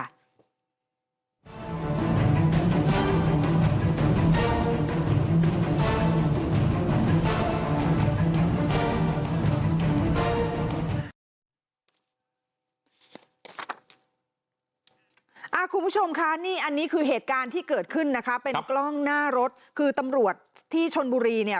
คุณผู้ชมคะนี่อันนี้คือเหตุการณ์ที่เกิดขึ้นนะคะเป็นกล้องหน้ารถคือตำรวจที่ชนบุรีเนี่ย